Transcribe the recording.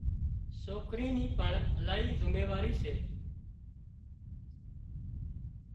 سوڪرِي ني پڻ الاهي زميواريون سي